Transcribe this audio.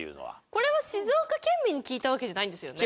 これは静岡県民に聞いたわけじゃないんですよね？